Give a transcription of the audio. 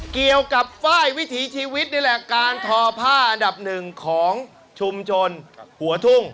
ฝ้ายวิถีชีวิตนี่แหละการทอผ้าอันดับหนึ่งของชุมชนหัวทุ่ง